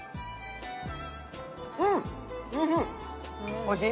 うん、おいしい。